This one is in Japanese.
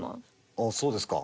ああそうですか。